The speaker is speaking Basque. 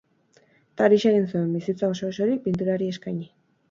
Eta horixe egin zuen: bizitza oso-osorik pinturari eskaini.